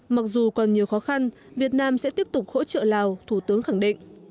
mặc dù còn nhiều khó khăn việt nam sẽ tiếp tục hỗ trợ lào thủ tướng khẳng định